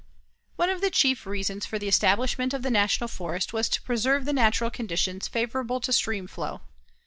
One of the chief reasons for the establishment of the National Forest was to preserve the natural conditions favorable to stream flow.